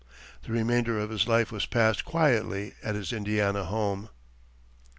The remainder of his life was passed quietly at his Indiana home.